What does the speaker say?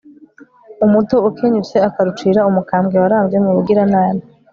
umuto ukenyutse akarucira umukambwe warambye mu bugiranabi